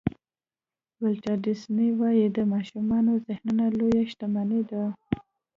ولټر ډیسني وایي د ماشومانو ذهنونه لویه شتمني ده.